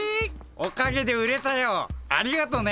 おかげで売れたよ。ありがとね。